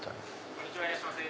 こんにちはいらっしゃいませ。